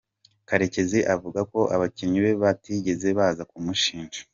Karekezi avuga ko abakinnyi be batigeze baza kumushinja